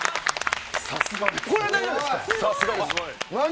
さすがです。